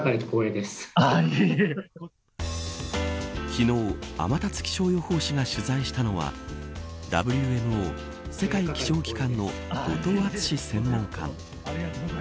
昨日、天達気象予報士が取材したのはＷＭＯ世界気象機関の後藤敦史専門官。